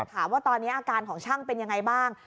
ถามว่าตอนนี้อาการของช่างเป็นยังไงบ้าง